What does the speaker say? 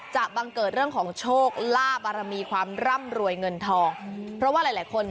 บังเกิดเรื่องของโชคลาบบารมีความร่ำรวยเงินทองเพราะว่าหลายหลายคน